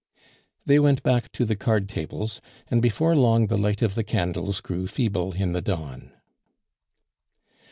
They went back to the card tables; and before long the light of the candles grew feeble in the dawn.